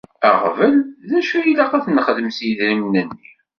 Aɣbel d acu i ilaq ad nexdem s yedrimen-nni.